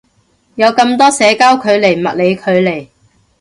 有咁多社交距離物理距離